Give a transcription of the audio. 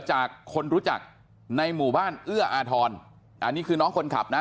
จากคนรู้จักในหมู่บ้านเอื้ออาทรอันนี้คือน้องคนขับนะ